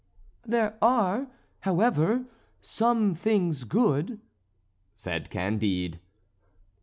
"There are, however, some things good," said Candide.